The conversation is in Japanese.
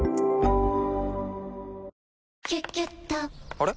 あれ？